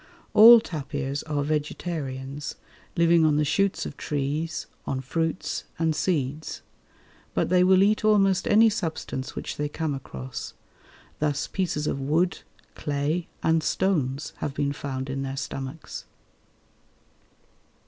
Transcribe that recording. All tapirs are vegetarians, living on the shoots of trees, on fruits and seeds; but they will eat almost any substance which they come across. Thus pieces of wood, clay, and stones have been found in their stomachs.